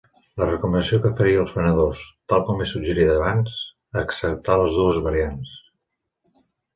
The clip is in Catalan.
La recomanació que faria als venedors... tal com he suggerit abans... acceptar les dues variants.